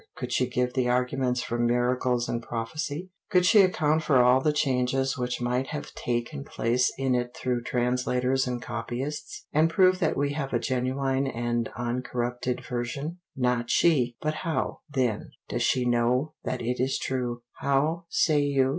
Could she give the arguments from miracles and prophecy? Could she account for all the changes which might have taken place in it through translators and copyists, and prove that we have a genuine and uncorrupted version? Not she! But how, then, does she know that it is true? How, say you?